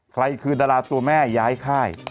ใครคือดาราตัวแม่ย้ายค่าย